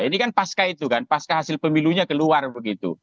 ini kan pasca itu kan pasca hasil pemilunya keluar begitu